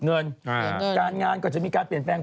เงินการงานก็จะมีการเปลี่ยนแปลง